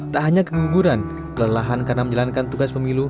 tak hanya keguguran kelelahan karena menjalankan tugas pemilu